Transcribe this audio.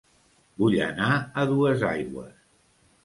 Vull anar a Duesaigües